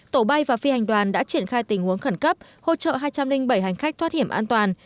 tổ bay và phi hành đoàn đã triển khai tình huống khẩn cấp hỗ trợ hai trăm linh bảy hành khách thoát hiểm an toàn